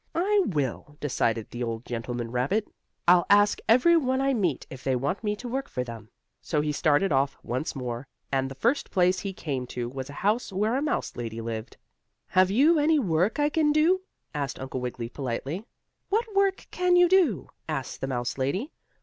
"I will," decided the old gentleman rabbit. "I'll ask every one I meet if they want me to work for them." So he started off once more, and the first place he came to was a house where a mouse lady lived. "Have you any work I can do?" asked Uncle Wiggily politely. "What work can you do?" asked the mouse lady.